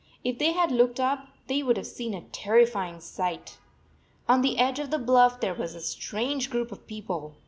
If they had looked up, they would have seen a terrifying sight. On the edge of the bluff there was a strange group of people.